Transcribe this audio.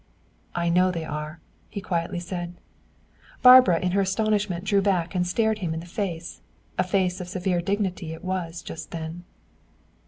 "I know they are," he quietly said. Barbara, in her astonishment drew back and stared him in the face a face of severe dignity it was just then.